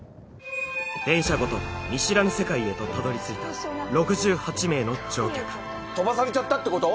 電車ごと見知らぬ世界へとたどり着いた６８名の乗客飛ばされちゃったってこと！？